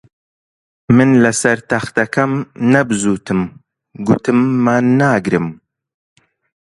من لەسەر تەختەکەم نەبزووتم، گوتم مان ناگرم